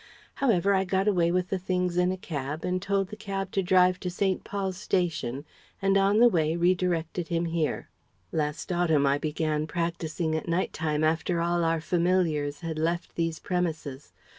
However, I got away with the things in a cab, and told the cab to drive to St. Paul's station, and on the way re directed him here. "Last autumn I began practising at night time after all our familiars had left these premises.